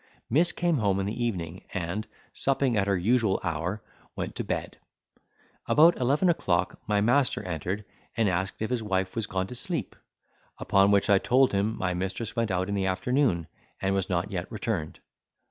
Miss came home in the evening, and, supping at her usual hour, went to bed. About eleven o'clock my master entered, and asked if his wife was gone to sleep: upon which I told him, my mistress went out in the afternoon, and was not yet returned.